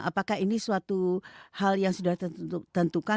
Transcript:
apakah ini suatu hal yang sudah tentukan